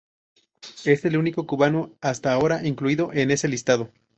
Es el único cubano hasta ahora incluido en ese listado.